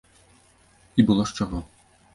І было з чаго.